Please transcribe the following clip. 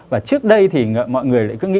và trước đây thì mọi người lại cứ nghĩ